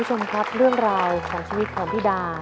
คุณผู้ชมครับเรื่องราวของชีวิตของพี่ดา